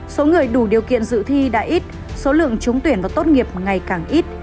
số người đủ điều kiện dự thi đã ít số lượng chúng tuyển vào tốt nghiệp ngày càng ít